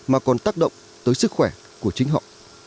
mà còn tác động tới sức khỏe của chính họ